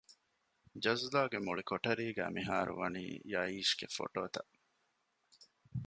ޖަޒްލާގެ މުޅި ކޮޓަރީގައި މިހާރުވަނީ ޔައީޝްގެ ފޮޓޯތައް